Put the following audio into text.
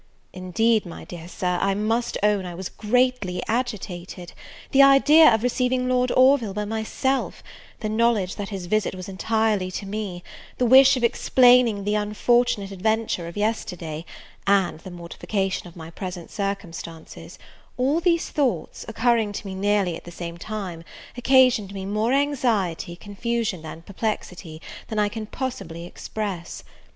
Indeed, my dear Sir, I must own I was greatly agitated; the idea of receiving Lord Orville by myself, the knowledge that his visit was entirely to me, the wish of explaining the unfortunate adventure of yesterday, and the mortification of my present circumstances, all these thoughts, occurring to me nearly at the same time, occasioned me more anxiety, confusion, and perplexity, than I can possibly express.